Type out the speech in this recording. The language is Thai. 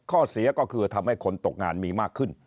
เสียก็คือทำให้คนตกงานมีมากขึ้น